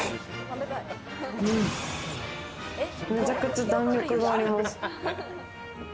めちゃくちゃ弾力があります。